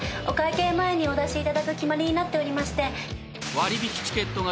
お会計前にお出しいただく決まりになっておりまして。